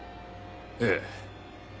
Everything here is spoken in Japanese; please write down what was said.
ええ。